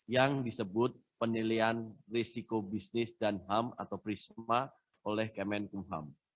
yang disebut penilaian risiko bisnis dan ham atau prisma oleh kemenkumham